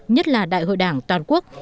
nhất là đại hội đảng toàn quốc